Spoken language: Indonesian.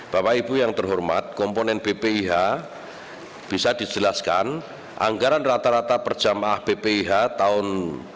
bapak ibu yang terhormat komponen bpih bisa dijelaskan anggaran rata rata per jamah bpih tahun dua ribu dua puluh